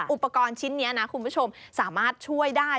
อุปกรณ์ชิ้นนี้นะคุณผู้ชมสามารถช่วยได้